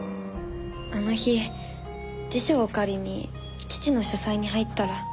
あの日辞書を借りに父の書斎に入ったら。